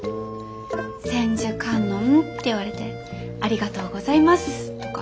千手観音って言われて「ありがとうございます」とか。